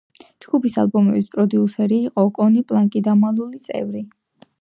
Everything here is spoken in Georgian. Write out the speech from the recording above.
ჯგუფის ალბომების პროდიუსერი იყო კონი პლანკი, „დამალული წევრი“.